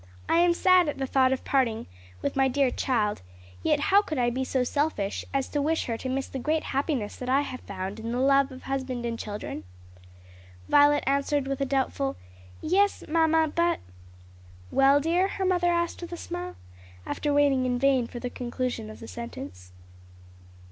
I am sad at the thought of parting with my dear child, yet how could I be so selfish as to wish her to miss the great happiness that I have found in the love of husband and children?" Violet answered with a doubtful "Yes, mamma, but " "Well, dear?" her mother asked with a smile, after waiting in vain for the conclusion of the sentence.